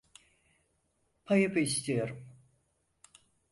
Payımı istiyorum.